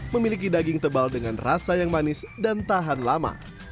memiliki daging tebal dengan rasa yang manis dan tahan lama